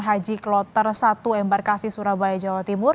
haji kloter satu embarkasi surabaya jawa timur